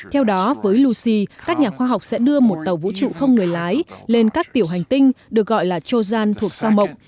theo đó với lucy các nhà khoa học sẽ đưa một tàu vũ trụ không người lái lên các tiểu hành tinh được gọi là trojan thuộc sang mộc